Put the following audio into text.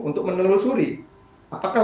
untuk menelusuri apakah